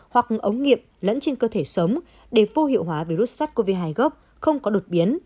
hoặc ống nghiệm lẫn trên cơ thể sớm để vô hiệu hóa virus sars cov hai gốc không có đột biến